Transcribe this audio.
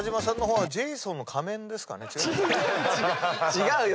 違うよ！